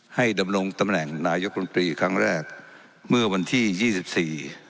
ดำรงตำแหน่งนายกรมตรีครั้งแรกเมื่อวันที่ยี่สิบสี่